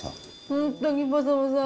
本当にぱさぱさ。